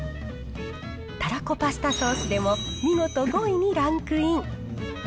たらこパスタソースでも見事５位にランクイン。